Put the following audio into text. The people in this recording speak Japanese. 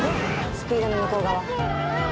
スピードの向こう側。